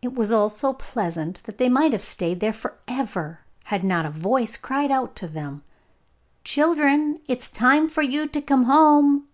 It was all so pleasant that they might have stayed there for ever had not a voice cried out to them, 'Children, it is time for you to come home!